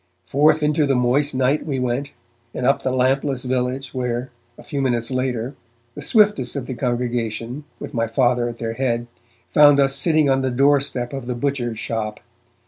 Forth into the moist night we went, and up the lampless village, where, a few minutes later, the swiftest of the congregation, with my Father at their head, found us sitting on the doorstep of the butcher's shop.